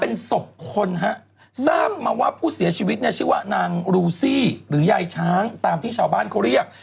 เป็นศพคนฮะทราบมาว่าผู้เสียชีวิตเนี่ยชื่อว่านางรูซี่หรือยายช้างตามที่ชาวบ้านเขาเรียก